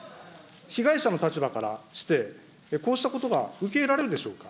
被害者の立場からして、こうしたことが受け入れられるんでしょうか。